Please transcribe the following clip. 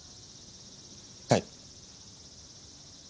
はい。